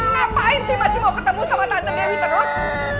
ngapain sih masih mau ketemu sama tante dewi terus